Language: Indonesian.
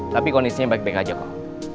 tapi kondisinya baik baik aja kok